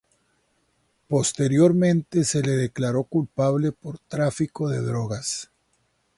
Posteriormente se le declaró culpable por tráfico de drogas.